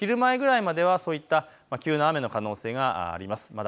昼前ぐらいまではそういった急な雨の可能性があります。